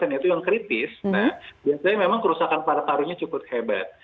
itu yang kritis biasanya memang kerusakan paru parunya cukup hebat